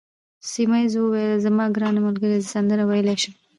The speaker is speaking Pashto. سیمونز وویل: زما ګرانه ملګرې، زه سندرې ویلای شم.